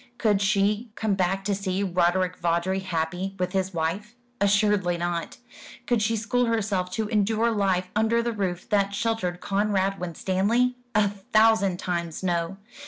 Could she come back to see Roderick Vawdrey happy with his wife? Assuredly not. Could she school herself to endure life under the roof that sheltered Conrad Winstanley? A thousand times no.